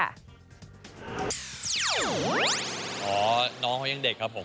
น้องเขายังเด็กครับผม